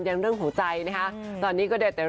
ยังเรื่องหัวใจนะคะตอนนี้ก็เดี๋ยวแต่